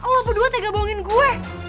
lo berdua tega bongin gue